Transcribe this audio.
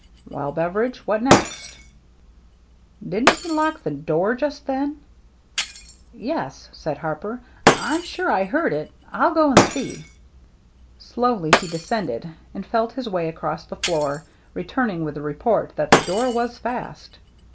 "Well, Beveridge, what next?" " Didn't he lock the door just then ?" "Yes," said Harper, "I'm sure I heard it. I'll go and see." Slowly he descended, and felt his way across the floor, returning with the report that the door was fast.